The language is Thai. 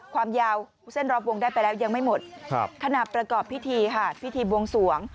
ความยาวเส้นรอบวงได้ไปแล้วยังไม่หมดขณะประกอบพิธีค่ะพิธีบวงสวง